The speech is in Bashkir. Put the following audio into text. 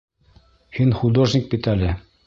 Һин художник бит әле.